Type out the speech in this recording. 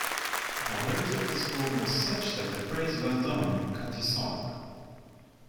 The popularity of this poem was such that the phrase Well done, Cutty-sark!